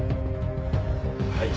はい。